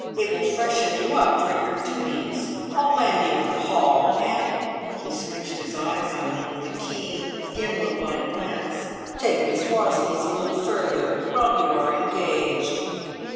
It will freshen you up for your duties. I'll land you at the `Hall,' and" he switched his eyes on me with a keen, gimlet like glance "take Miss Wastneys a little further while you are engaged."